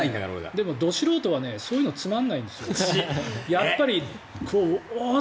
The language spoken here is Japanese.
でも、ド素人はそういうのつまらないんですよ。